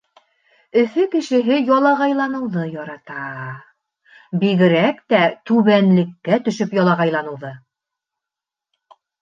Өфө кешеһе ялағайланыуҙы ярата. Бигерәк тә түбәнлеккә төшөп ялағайланыуҙы.